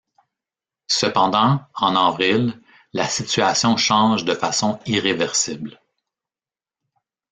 Cependant, en avril, la situation change de façon irréversible.